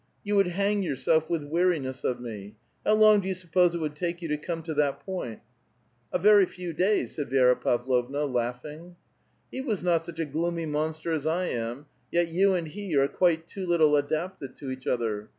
You would hang your self with weariness of me ; how long do you suppose it would take you to come to that point ?"" A very few days," said Vi^ra Pavlovna, laughing. '" He was not such a gloomy monster as I am, yet you and he are quite too little adapted to each other.